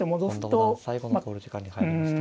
本田五段最後の考慮時間に入りました。